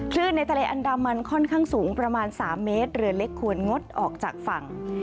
ในทะเลอันดามันค่อนข้างสูงประมาณ๓เมตรเรือเล็กควรงดออกจากฝั่ง